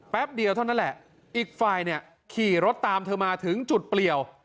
เดียวเท่านั้นแหละอีกฝ่ายเนี่ยขี่รถตามเธอมาถึงจุดเปลี่ยว